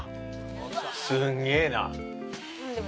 すげえな。